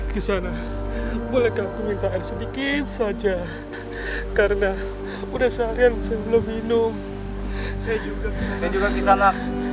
ke sana bolehkah aku minta sedikit saja karena udah seharian belum minum saya juga bisa